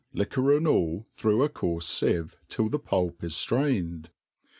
liquor and all, through a coarfe ileve, till the pulp is grained.